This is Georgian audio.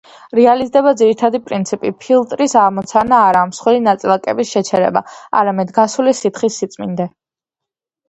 რეალიზდება ძირითადი პრინციპი: ფილტრის ამოცანა არაა მსხვილი ნაწილაკების შეჩერება, არამედ გასული სითხის სიწმინდე.